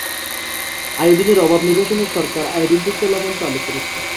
আয়োডিনের অভাব নিরসনে সরকার আয়োডিনযুক্ত লবণ চালু করেছে।